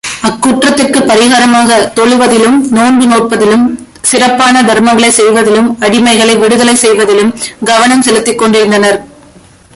அக்குற்றத்துக்குப் பரிகாரமாக, தொழுவதிலும், நோன்பு நோற்பதிலும், சிறப்பான தர்மங்களைச் செய்வதிலும் அடிமைகளை விடுதலை செய்வதிலும் கவனம் செலுத்திக் கொண்டிருந்தனர்.